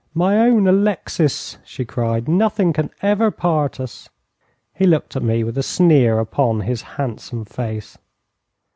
'My own Alexis,' she cried, 'nothing can ever part us.' He looked at me with a sneer upon his handsome face.